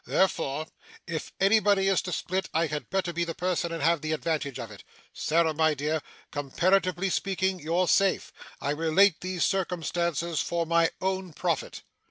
Therefore, if anybody is to split, I had better be the person and have the advantage of it. Sarah, my dear, comparatively speaking you're safe. I relate these circumstances for my own profit.